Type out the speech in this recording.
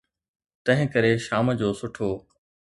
تنهن ڪري شام جو سٺو.